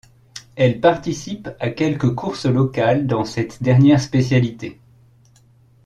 Elle participe à quelques courses locales dans cette dernière spécialité.